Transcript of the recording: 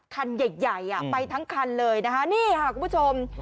คันใหญ่ไปทั้งคันเลยนะคะนี่ค่ะคุณผู้ชม